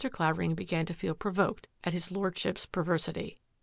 Clavering began to feel provoked at his Lordship's perversity.